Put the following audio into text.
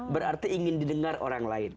berarti ingin didengar orang lain